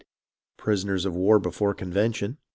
Prisoners of war before convention